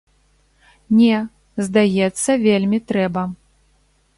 Не, здаецца, вельмі трэба.